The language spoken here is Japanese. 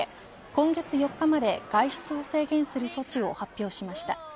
今月４日まで、外出を制限する措置を発表しました。